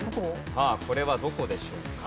さあこれはどこでしょうか？